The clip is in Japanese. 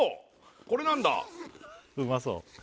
これなんだうまそう？